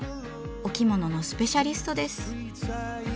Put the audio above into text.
お着物のスペシャリストです。